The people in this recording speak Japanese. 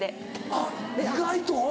あっ意外と？